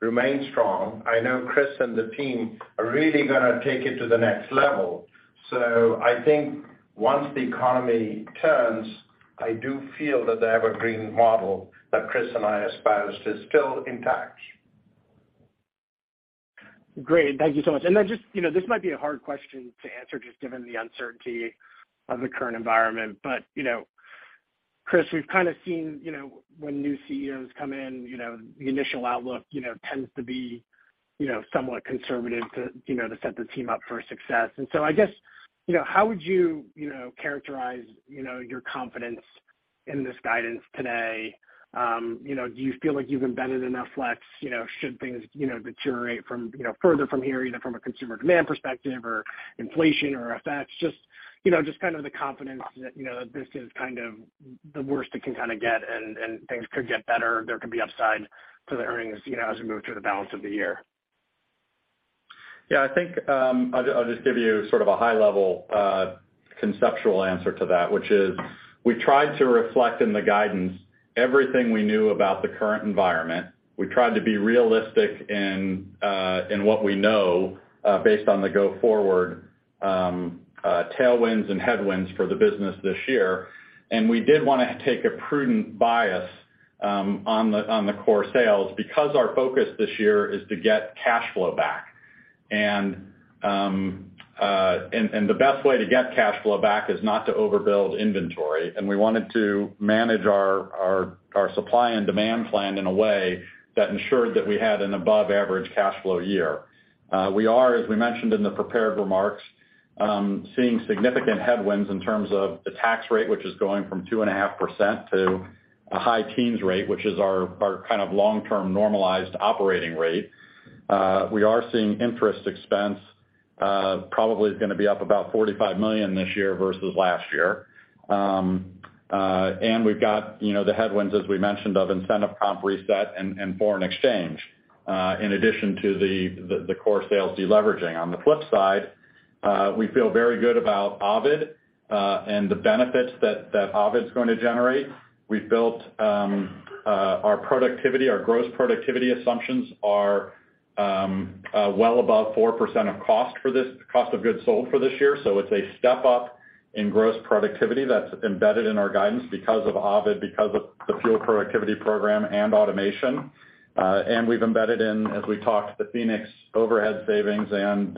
remain strong. I know Chris and the team are really gonna take it to the next level. I think once the economy turns, I do feel that the evergreen model that Chris and I espoused is still intact. Great. Thank you so much. You know, this might be a hard question to answer just given the uncertainty of the current environment. Chris, we've kind of seen, you know, when new CEOs come in, you know, the initial outlook, you know, tends to be, you know, somewhat conservative to, you know, to set the team up for success. How would you know, characterize, you know, your confidence in this guidance today? You know, do you feel like you've embedded enough flex, you know, should things, you know, deteriorate from, you know, further from here, either from a consumer demand perspective or inflation or effects? Just, you know, just kind of the confidence that, you know, this is kind of the worst it can kind of get and things could get better? There could be upside to the earnings, you know, as we move through the balance of the year. Yeah, I think, I'll just give you sort of a high level, conceptual answer to that, which is we tried to reflect in the guidance everything we knew about the current environment. We tried to be realistic in what we know, based on the go forward, tailwinds and headwinds for the business this year. We did wanna take a prudent bias on the core sales because our focus this year is to get cash flow back. The best way to get cash flow back is not to overbuild inventory, and we wanted to manage our supply and demand plan in a way that ensured that we had an above average cash flow year. We are, as we mentioned in the prepared remarks, seeing significant headwinds in terms of the tax rate, which is going from 2.5% to a high teens rate, which is our kind of long-term normalized operating rate. We are seeing interest expense, probably is gonna be up about $45 million this year versus last year. We've got, you know, the headwinds, as we mentioned, of incentive comp reset and foreign exchange, in addition to the core sales deleveraging. On the flip side, we feel very good about Ovid, and the benefits that Ovid's gonna generate. We've built our productivity. Our gross productivity assumptions are well above 4% of cost for this COGS for this year. It's a step up in gross productivity that's embedded in our guidance because of Ovid, because of the fuel productivity program and automation. We've embedded in, as we talked, the Phoenix overhead savings and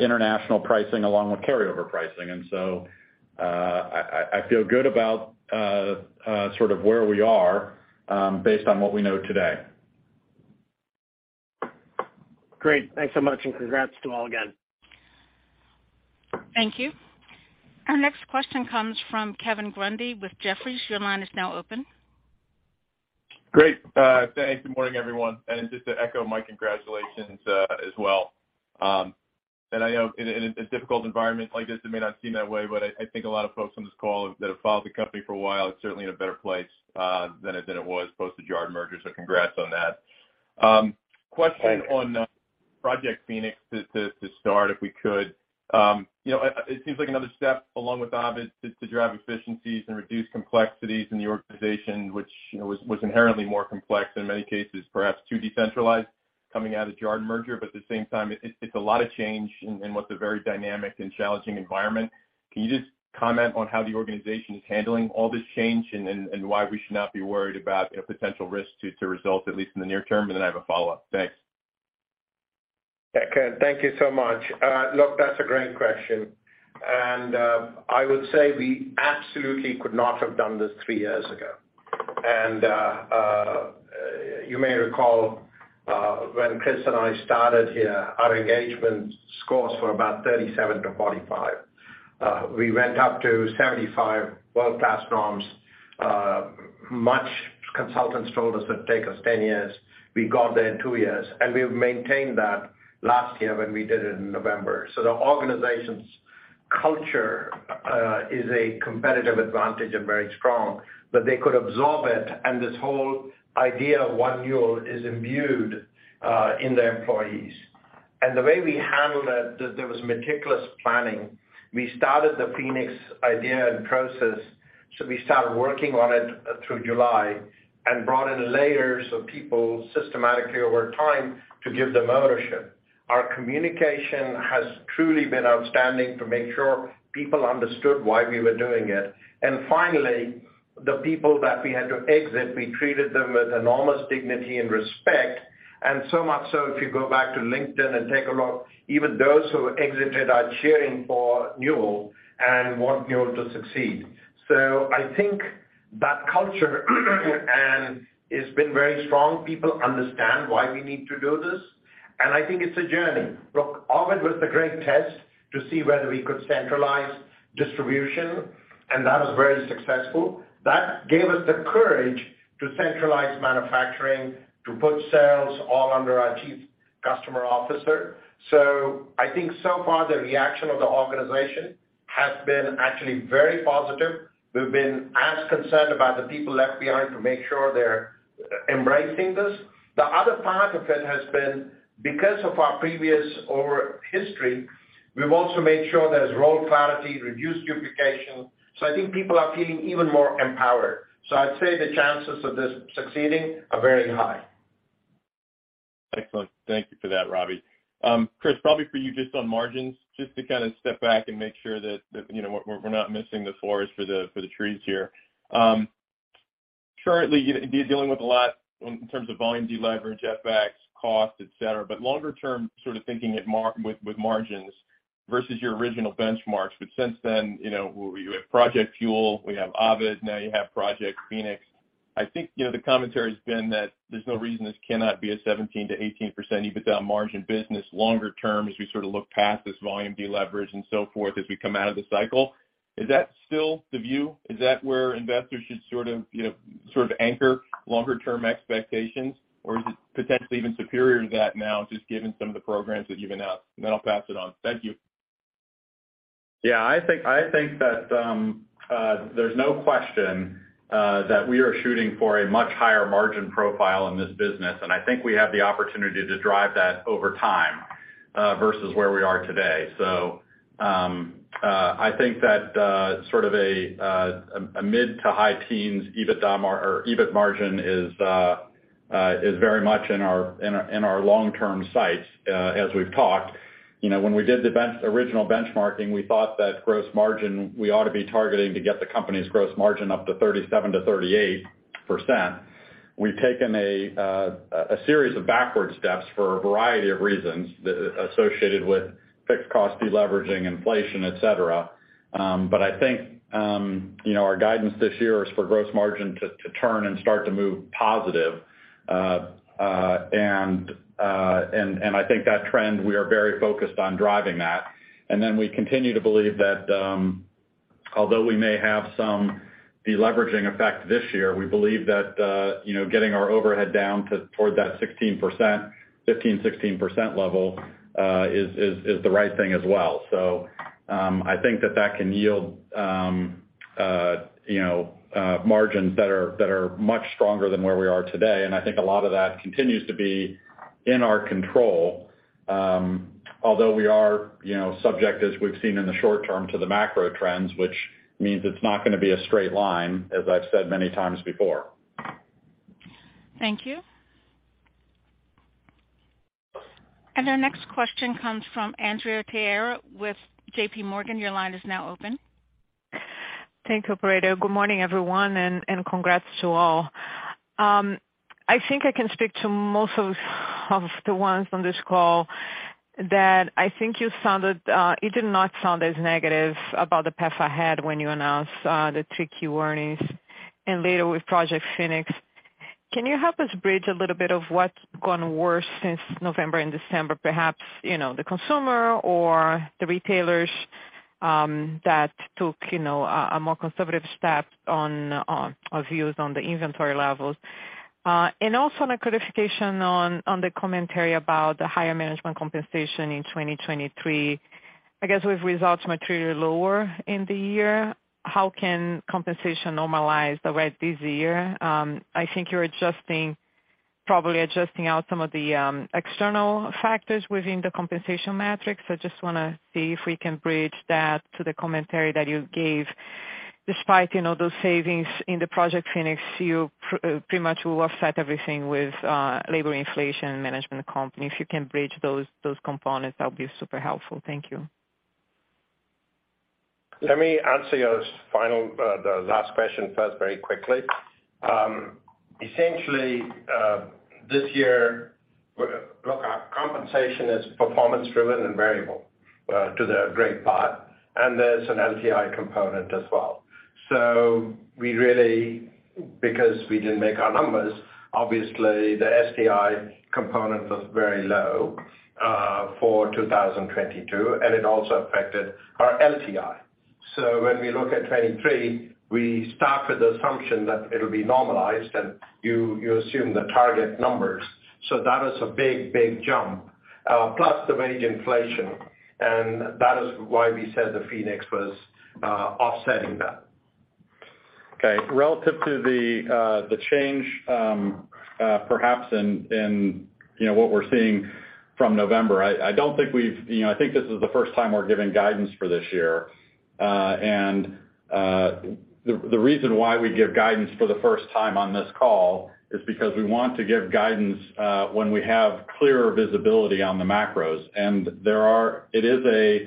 international pricing along with carryover pricing. I, I feel good about sort of where we are based on what we know today. Great. Thanks so much and congrats to all again. Thank you. Our next question comes from Kevin Grundy with Jefferies. Your line is now open. Great. Thanks. Good morning, everyone. Just to echo, my congratulations as well. I know in a difficult environment like this, it may not seem that way, but I think a lot of folks on this call that have followed the company for a while, it's certainly in a better place than it, than it was post the Jarden merger. Congrats on that. Question on Project Phoenix to start, if we could. You know, it seems like another step along with Ovid to drive efficiencies and reduce complexities in the organization, which, you know, was inherently more complex in many cases, perhaps too decentralized coming out of the Jarden merger. At the same time, it's a lot of change in what's a very dynamic and challenging environment. Can you just comment on how the organization is handling all this change and why we should not be worried about a potential risk to results, at least in the near term? Then I have a follow-up. Thanks. Okay, thank you so much. Look, that's a great question. I would say we absolutely could not have done this three years ago. You may recall, when Chris and I started here, our engagement scores were about 37 to 45. We went up to 75 world-class norms. Much consultants told us it would take us 10 years. We got there in two years, and we've maintained that last year when we did it in November. The organization's culture is a competitive advantage and very strong that they could absorb it. This whole idea of One Newell is imbued in their employees. The way we handled it, there was meticulous planning. We started the Phoenix idea and process. We started working on it through July and brought in layers of people systematically over time to give them ownership. Our communication has truly been outstanding to make sure people understood why we were doing it. Finally, the people that we had to exit, we treated them with enormous dignity and respect. So much so if you go back to LinkedIn and take a look, even those who exited are cheering for Newell and want Newell to succeed. I think that culture and it's been very strong. People understand why we need to do this, and I think it's a journey. Look, Ovid was the great test to see whether we could centralize distribution, and that was very successful. That gave us the courage to centralize manufacturing, to put sales all under our chief customer officer. I think so far the reaction of the organization has been actually very positive. We've been as concerned about the people left behind to make sure they're e-embracing this. The other part of it has been because of our previous over history, we've also made sure there's role clarity, reduced duplication. I think people are feeling even more empowered. I'd say the chances of this succeeding are very high. Excellent. Thank you for that, Ravi. Chris, probably for you just on margins, just to kind of step back and make sure that, you know, we're not missing the forest for the trees here. Currently you're dealing with a lot in terms of volume deleverage, FX, cost, et cetera. Longer term, sort of thinking with margins versus your original benchmarks. Since then, you know, we have Project Fuel, we have OVID, now you have Project Phoenix. I think, you know, the commentary has been that there's no reason this cannot be a 17%-18% EBITDA margin business longer term, as we sort of look past this volume deleverage and so forth as we come out of the cycle. Is that still the view? Is that where investors should sort of, you know, sort of anchor longer term expectations? Or is it potentially even superior to that now, just given some of the programs that you've announced? Then I'll pass it on. Thank you. I think that there's no question that we are shooting for a much higher margin profile in this business, and I think we have the opportunity to drive that over time versus where we are today. I think that sort of a mid to high teens EBITDA or EBIT margin is very much in our long-term sights. As we've talked, you know, when we did the original benchmarking, we thought that gross margin, we ought to be targeting to get the company's gross margin up to 37%-38%. We've taken a series of backward steps for a variety of reasons associated with fixed cost deleveraging, inflation, et cetera. I think, you know, our guidance this year is for gross margin to turn and start to move positive. I think that trend, we are very focused on driving that. We continue to believe that, although we may have some deleveraging effect this year, we believe that, you know, getting our overhead down toward that 16%, 15%-16% level, is the right thing as well. I think that can yield, you know, margins that are much stronger than where we are today. I think a lot of that continues to be in our control, although we are, you know, subject, as we've seen in the short term, to the macro trends, which means it's not gonna be a straight line, as I've said many times before. Thank you. Our next question comes from Andrea Teixeira with JPMorgan. Your line is now open. Thanks, Operator. Good morning, everyone, and congrats to all. I think I can speak to most of the ones on this call that I think you sounded, you did not sound as negative about the path ahead when you announced the tricky warnings and later with Project Phoenix. Can you help us bridge a little bit of what's gone worse since November and December, perhaps, you know, the consumer or the retailers, that took, you know, a more conservative step of views on the inventory levels? Also on a clarification on the commentary about the higher management compensation in 2023. I guess with results materially lower in the year, how can compensation normalize the rest this year? I think you're probably adjusting out some of the external factors within the compensation matrix. I just wanna see if we can bridge that to the commentary that you gave. Despite, you know, those savings in the Project Phoenix, you pretty much will offset everything with labor inflation management comp. If you can bridge those components, that would be super helpful. Thank you. Let me answer your final the last question first very quickly. Essentially, this year, look, our compensation is performance driven and variable to the great part, and there's an LTI component as well. We really, because we didn't make our numbers, obviously the STI component was very low for 2022, and it also affected our LTI. When we look at 2023, we start with the assumption that it'll be normalized, and you assume the target numbers. That is a big, big jump plus the wage inflation. That is why we said the Phoenix was offsetting that. Okay. Relative to the change, perhaps in, you know, what we're seeing from November, I don't think we've, you know, I think this is the first time we're giving guidance for this year. The reason why we give guidance for the first time on this call is because we want to give guidance, when we have clearer visibility on the macros. It is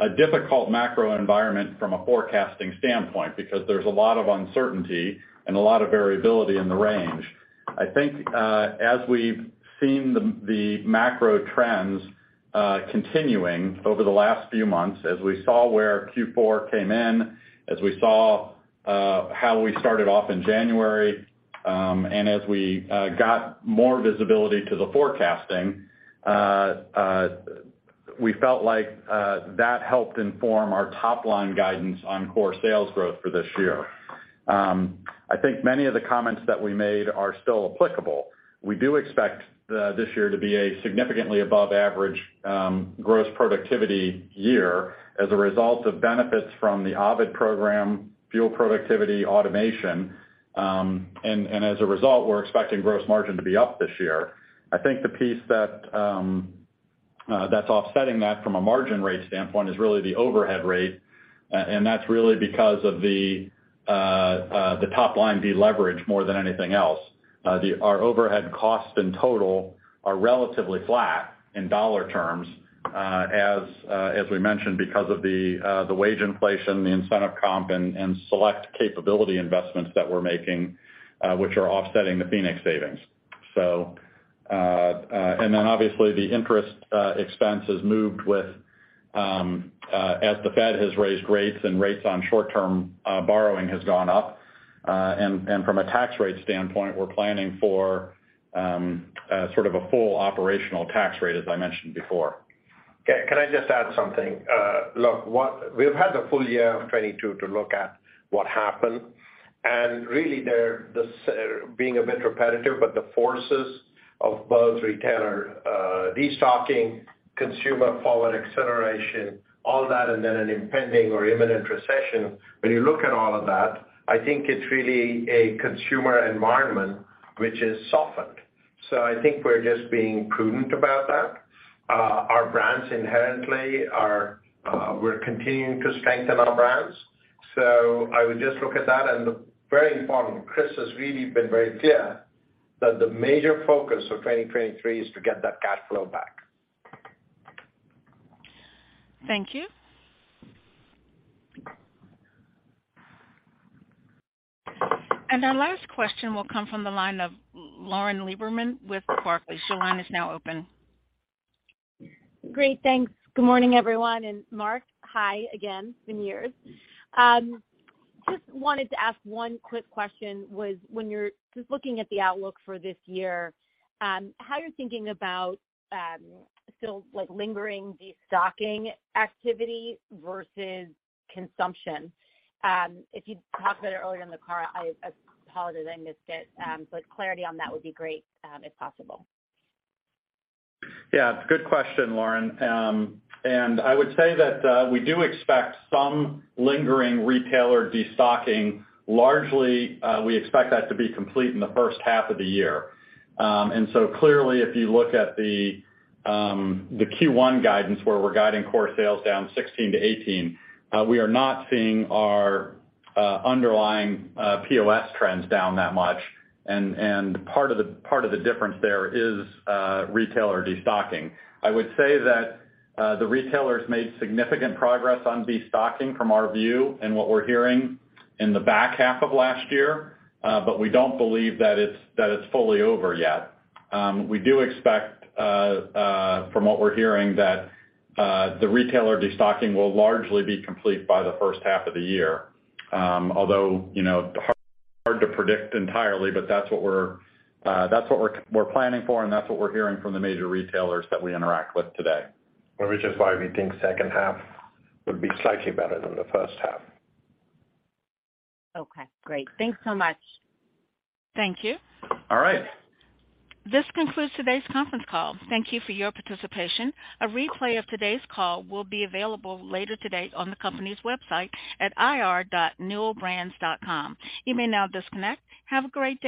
a difficult macro environment from a forecasting standpoint because there's a lot of uncertainty and a lot of variability in the range. I think as we've seen the macro trends continuing over the last few months, as we saw where Q4 came in, as we saw how we started off in January, and as we got more visibility to the forecasting, we felt like that helped inform our top line guidance on core sales growth for this year. I think many of the comments that we made are still applicable. We do expect this year to be a significantly above average gross productivity year as a result of benefits from the Project Ovid program, fuel productivity, automation. And as a result, we're expecting gross margin to be up this year. I think the piece that that's offsetting that from a margin rate standpoint is really the overhead rate That's really because of the top line deleverage more than anything else. Our overhead costs in total are relatively flat in dollar terms, as we mentioned, because of the wage inflation, the incentive comp and select capability investments that we're making, which are offsetting the Phoenix savings. Then obviously the interest expense has moved with as the Fed has raised rates and rates on short-term borrowing has gone up. From a tax rate standpoint, we're planning for sort of a full operational tax rate, as I mentioned before. Okay, can I just add something? look, we've had a full year of 2022 to look at what happened. Really there, this being a bit repetitive, but the forces of both retailer, destocking, consumer forward acceleration, all that, and then an impending or imminent recession. When you look at all of that, I think it's really a consumer environment which has softened. I think we're just being prudent about that. Our brands inherently are, we're continuing to strengthen our brands. I would just look at that and very important, Chris has really been very clear that the major focus of 2023 is to get that cash flow back. Thank you. Our last question will come from the line of Lauren Lieberman with Barclays. Your line is now open. Great, thanks. Good morning, everyone, and Mark, hi again. It's been years. Just wanted to ask one quick question, was when you're just looking at the outlook for this year, how you're thinking about, still like lingering destocking activity versus consumption? If you talked about it earlier in the call, I apologize, I missed it. Clarity on that would be great, if possible. Yeah, good question, Lauren. I would say that, we do expect some lingering retailer destocking. Largely, we expect that to be complete in the first half of the year. Clearly, if you look at the Q1 guidance where we're guiding core sales down 16%-18%, we are not seeing our underlying POS trends down that much. Part of the difference there is retailer destocking. I would say that, the retailers made significant progress on destocking from our view and what we're hearing in the back half of last year. We don't believe that it's fully over yet. We do expect, from what we're hearing that, the retailer destocking will largely be complete by the first half of the year. You know, hard to predict entirely, but that's what we're planning for and that's what we're hearing from the major retailers that we interact with today. Which is why we think second half would be slightly better than the first half. Okay, great. Thanks so much. Thank you. All right. This concludes today's conference call. Thank you for your participation. A replay of today's call will be available later today on the company's website at ir.newellbrands.com. You may now disconnect. Have a great day.